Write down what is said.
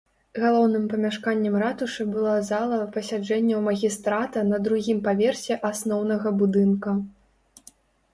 Галоўным памяшканнем ратушы была зала пасяджэнняў магістрата на другім паверсе асноўнага будынка.